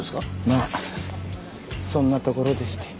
まあそんなところでして。